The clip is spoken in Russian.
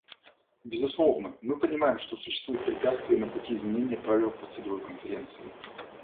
Безусловно, мы понимаем, что существуют препятствия на пути изменения правил процедуры Конференции.